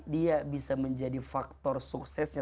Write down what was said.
dia bisa menjadi faktor suksesnya